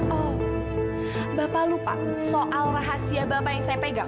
oh bapak lupa soal rahasia bapak yang saya pegang